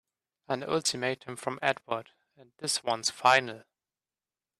An ultimatum from Edward and this one's final!